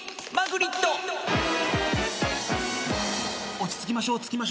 落ち着きましょう。